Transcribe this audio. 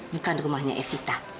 bukan rumahnya evita